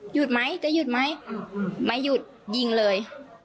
ไหมจะหยุดไหมไม่หยุดยิงเลย